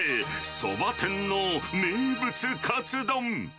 そば店の名物かつ丼。